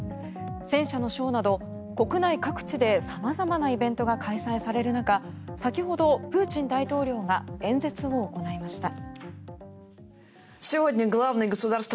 戦車のショーなど国内各地で様々なイベントが開催される中先ほど、プーチン大統領が演説を行いました。